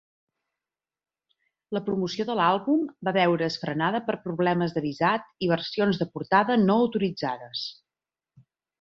La promoció de l'àlbum va veure's frenada per problemes de visat i versions de portada no autoritzades.